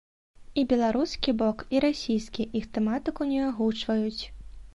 І беларускі бок, і расійскі іх тэматыку не агучваюць.